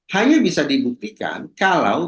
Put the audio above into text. hanya bisa dibuktikan kalau